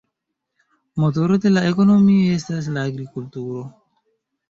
Motoro de la ekonomio estas la agrikulturo.